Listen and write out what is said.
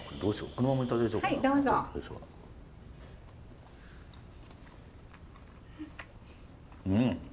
うん。